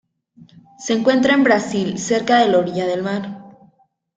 Se encuentra en Brasil cerca de la orilla del mar.